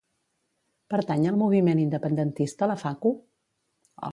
Pertany al moviment independentista la Facu?